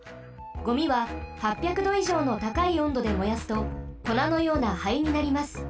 ゴミは８００どいじょうのたかいおんどで燃やすとこなのような灰になります。